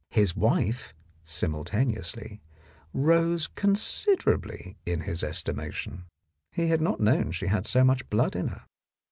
His wife, simultaneously, rose considerably in his estimation ; he had not known she had so much blood in her.